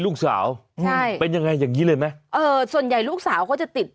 ลูกชายใช่เป็นยังไงอย่างงี้เลยไหมเออส่วนใหญ่ลูกสาวเขาจะติด